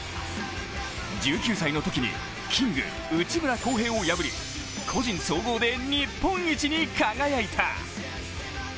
１９歳のときにキング・内村航平を破り個人総合で日本一に輝いた。